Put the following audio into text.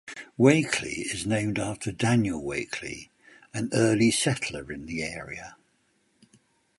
Wakeley is named after Daniel Wakeley, an early settler in the area.